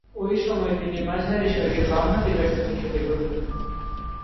ঐ সময়ে তিনি মাঝারিসারির বামহাতি ব্যাটসম্যান হিসেবে খেলতেন।